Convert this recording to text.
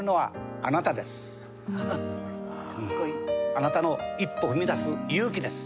あなたの一歩踏み出す勇気です。